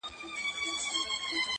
• هغه کال وه ناغه سوي بارانونه -